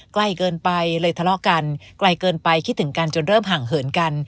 ใกล้เกินไปเลยทะเลาะกันไกลเกินไปคิดถึงกันจนเริ่มห่างเหินกัน